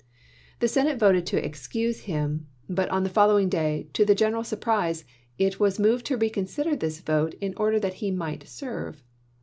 The Senate voted to excuse him ; but on the imcl following day, to the general surprise, it was moved to reconsider this vote in order that he might serve.